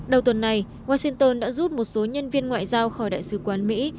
đầu tuần này washington đã rút một số nhân viên ngoại giao khỏi đại sứ quán mỹ